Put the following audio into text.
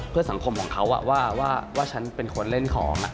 เพื่อสังคมของเขาว่าฉันเป็นคนเล่นของ